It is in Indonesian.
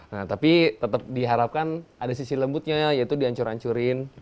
nah tapi tetap diharapkan ada sisi lembutnya yaitu dihancur ancurin